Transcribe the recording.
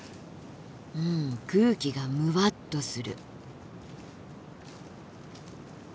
うん空気がむわっとする。